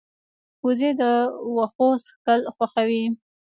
وزې د واښو څکل خوښوي